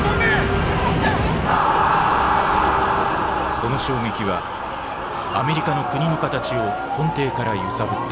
その衝撃はアメリカの国の形を根底から揺さぶった。